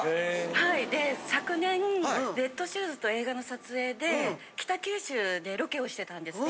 はい昨年『レッド・シューズ』という映画の撮影で北九州でロケをしてたんです。